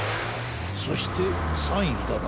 そして３いだな。